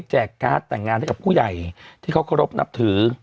การ์ดแต่งงานให้กับผู้ใหญ่ที่เขาเคารพนับถือ